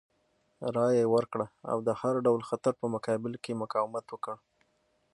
رایه یې ورکړه او د هر ډول خطر په مقابل کې یې مقاومت وکړ.